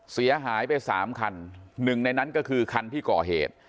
เสียหายไปสามคันหนึ่งในนั้นก็คือคันที่ก่อเหตุ